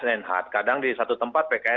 dan hard kadang di satu tempat pks